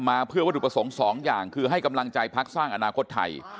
มาเพื่อวัตถุประสงค์สองอย่างคือให้กำลังใจพักสร้างอนาคตไทย